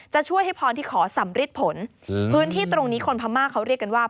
จะช่วยให้พรที่ขอสำริดผลพื้นที่ตรงนี้คนพม่าเขาเรียกกันว่า